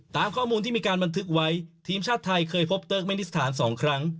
ตามข้อมูลที่มีการบันทึกไว้ทีมชาติไทยเคยพบเตอร์เมนิสถานสองครั้ง